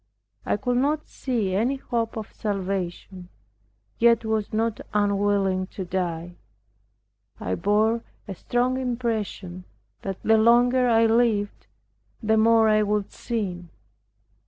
I could not see any hope of salvation, yet was not unwilling to die. I bore a strong impression that the longer I lived the more I would sin.